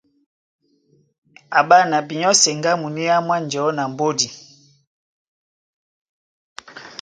Á ɓána binyɔ́ seŋgá muníá mwá njɔ̌ na mbódi.